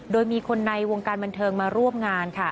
โดยมีคนในวงการบันเทิงมาร่วมงานค่ะ